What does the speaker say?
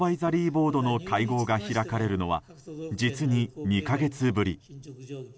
ボードの会合が開かれるのは実に２か月ぶり。